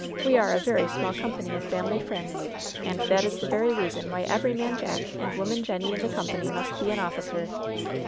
We are a very small com pany of family friends, and that is the very reason why every man jack and woman jenny in the company must be an officer.